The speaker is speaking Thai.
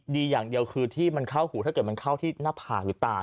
ดีอย่างเดียวคือที่มันเข้าหูถ้าเกิดมันเข้าที่หน้าผากหรือตา